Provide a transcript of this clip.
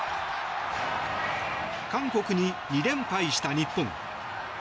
韓国に２連敗した日本。